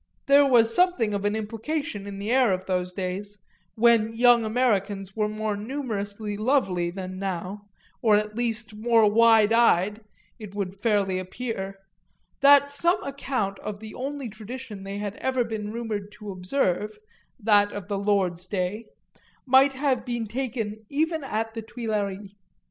There was something of an implication in the air of those days, when young Americans were more numerously lovely than now, or at least more wide eyed, it would fairly appear, that some account of the only tradition they had ever been rumoured to observe (that of the Lord's day) might have been taken even at the Tuileries.